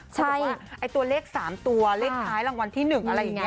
เพราะว่าไอ้ตัวเลข๓ตัวเลขท้ายรางวัลที่๑อะไรอย่างนี้